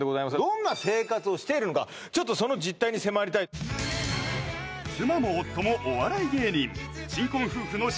どんな生活をしているのかちょっとその実態に迫りたい妻も夫もお笑い芸人